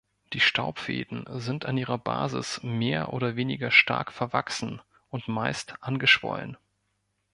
Die Staubfäden sind an ihrer Basis mehr oder weniger stark verwachsen und meist angeschwollen.